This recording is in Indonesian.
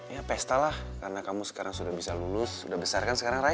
ya pesta lah karena kamu sekarang sudah bisa lulus sudah besar kan sekarang raya